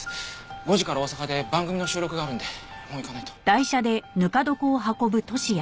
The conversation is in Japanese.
５時から大阪で番組の収録があるんでもう行かないと。